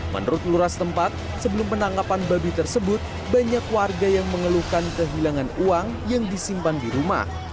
menurut luras tempat sebelum penangkapan babi tersebut banyak warga yang mengeluhkan kehilangan uang yang disimpan di rumah